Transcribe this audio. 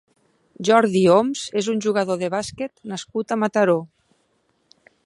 Jordi Oms és un jugador de bàsquet nascut a Mataró.